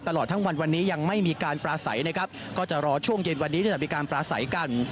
ตลอดทั้งวันวันนี้ยังไม่มีการปลาใสนะครับก็จะรอช่วงเย็นวันนี้ที่จะมีการปลาใสกัน